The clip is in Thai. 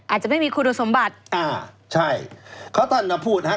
อาจจะไม่มีคุณสมบัติอ่าใช่เขาท่านมาพูดฮะ